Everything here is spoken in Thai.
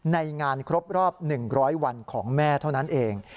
ในงานครบรอบ๑๐๐วันของแม่เท่านั้นเอง